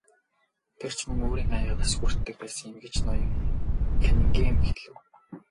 Тэр ч мөн өөрийн аяганаас хүртдэг байсан юм гэж ноён Каннингем хэлэв.